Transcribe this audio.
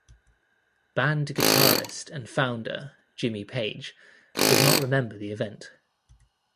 Band guitarist and founder Jimmy Page does not remember the event.